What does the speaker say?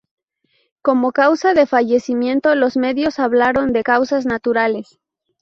Como causa de fallecimiento, los medios hablaron de "causas naturales".